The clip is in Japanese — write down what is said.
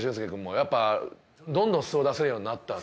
やっぱどんどん素を出せるようになったっつって。